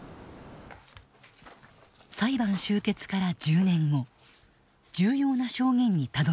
裁判終結から１０年後重要な証言にたどりつく。